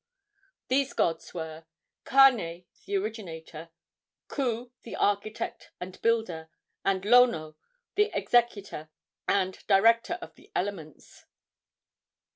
These gods were: Kane, the originator; Ku, the architect and builder; and Lono, the executor and director of the elements.